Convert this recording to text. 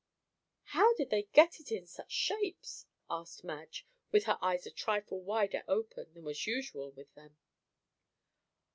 "How did they get it in such shapes?" asked Madge, with her eyes a trifle wider open than was usual with them.